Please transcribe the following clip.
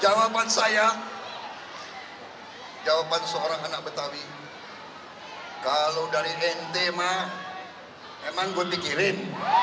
jawaban saya jawaban seorang anak betawi kalau dari ente mah memang gue pikirin